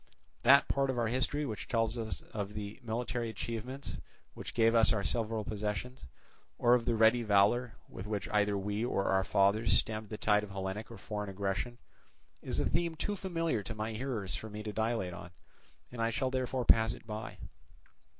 That part of our history which tells of the military achievements which gave us our several possessions, or of the ready valour with which either we or our fathers stemmed the tide of Hellenic or foreign aggression, is a theme too familiar to my hearers for me to dilate on, and I shall therefore pass it by.